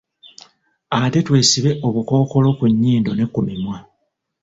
Ate twesibe obukookolo ku nyindo ne ku mimwa.